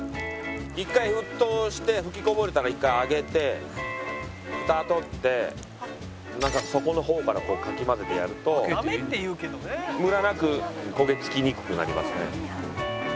１回沸騰して吹きこぼれたら１回上げて蓋取って底の方からかき混ぜてやるとムラなく焦げ付きにくくなりますね。